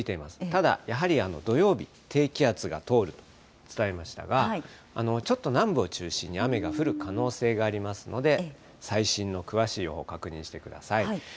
ただ、やはり土曜日、低気圧が通ると伝えましたが、ちょっと南部を中心に雨が降る可能性がありますので、最新の詳しい予報、確認してください。